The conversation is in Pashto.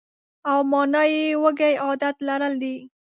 او مانا یې وږی عادت لرل دي.